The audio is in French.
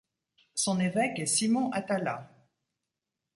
Son évêque est Simon Atallah.